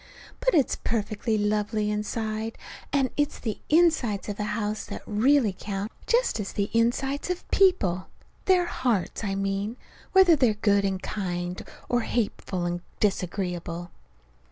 But it's perfectly lovely inside; and it's the insides of houses that really count just as it is the insides of people their hearts, I mean; whether they're good and kind, or hateful and disagreeable.